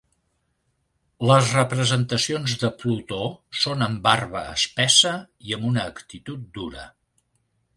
Les representacions de Plutó són amb barba espessa i amb una actitud dura.